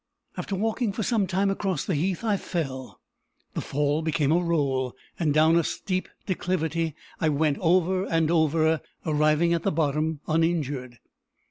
After walking for some time across the heath, I fell. The fall became a roll, and down a steep declivity I went, over and over, arriving at the bottom uninjured.